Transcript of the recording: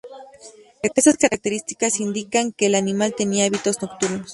Estas características indican que el animal tenía hábitos nocturnos.